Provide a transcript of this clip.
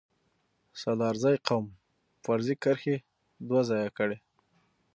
سلارزی قوم فرضي کرښې دوه ځايه کړي